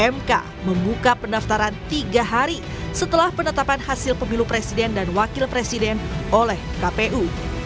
mk membuka pendaftaran tiga hari setelah penetapan hasil pemilu presiden dan wakil presiden oleh kpu